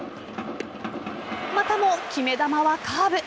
またも決め球はカーブ。